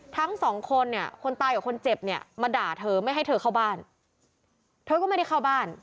ทั้งสองคนเนี่ยคนตายกับคนเจ็บเนี่ยมาด่าเธอไม่ให้เธอเข้าบ้านเธอก็ไม่ได้เข้าบ้าน